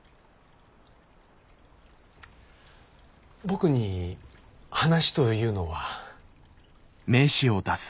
僕に話というのは？